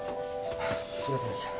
すいませんでした。